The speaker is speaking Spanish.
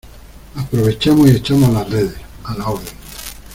aprovechamos y echamos las redes. a la orden .